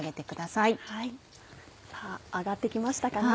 さぁ揚がって来ましたかね。